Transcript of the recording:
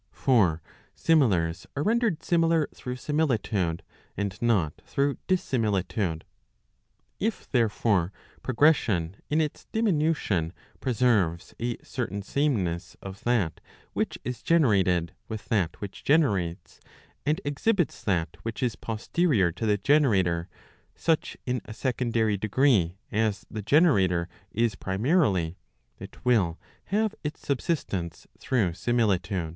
For similars are rendered similar through similitude, and not through dissimilitude. If, therefore, progres¬ sion in its diminution preserves a [certain] sameness of that which is generated with that which generates, and exhibits that which is posterior to the generator such in a secondary degree, as the generator is prima¬ rily, it will have its subsistence through similitude.